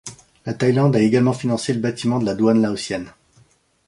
La Thaïlande a également financé le bâtiment de la douane laotienne.